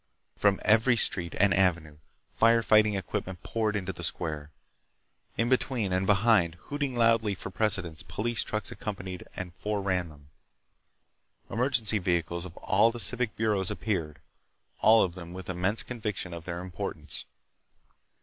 From every street and avenue fire fighting equipment poured into that square. In between and behind, hooting loudly for precedence, police trucks accompanied and fore ran them. Emergency vehicles of all the civic bureaus appeared, all of them with immense conviction of their importance.